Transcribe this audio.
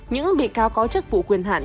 những bị cao có trách vụ quyền hạn